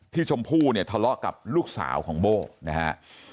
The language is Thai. ชมพู่เนี่ยทะเลาะกับลูกสาวของโบ้นะฮะ